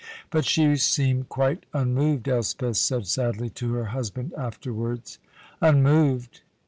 "But she seemed quite unmoved," Elspeth said sadly to her husband afterwards. Unmoved!